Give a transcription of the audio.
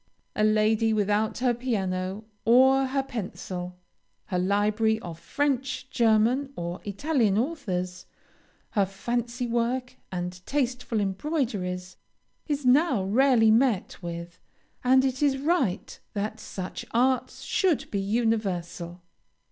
A lady without her piano, or her pencil, her library of French, German, or Italian authors, her fancy work and tasteful embroideries, is now rarely met with, and it is right that such arts should be universal.